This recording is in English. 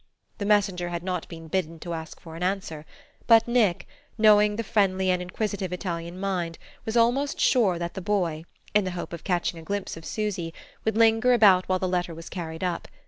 The messenger had not been bidden to ask for an answer; but Nick, knowing the friendly and inquisitive Italian mind, was almost sure that the boy, in the hope of catching a glimpse of Susy, would linger about while the letter was carried up.